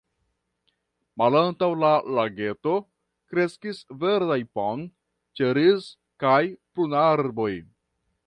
Malantaŭ la lageto kreskis verdaj pom-, ĉeriz- kaj prunarboj.